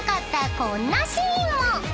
こんなシーンも］